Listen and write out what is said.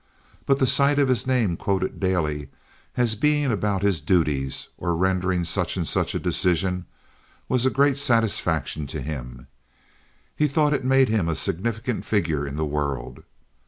But the sight of his name quoted daily as being about his duties, or rendering such and such a decision, was a great satisfaction to him. He thought it made him a significant figure in the world.